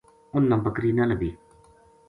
اُنھ نا بکری نہ لبھی